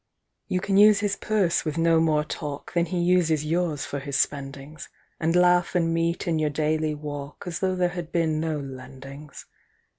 You can use his purse with no more talkThan he uses yours for his spendings, And laugh and meet in your daily walkAs though there had been no lendings.